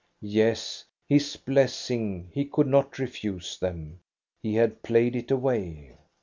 Yes, his blessing he could not refuse them. He had played it away.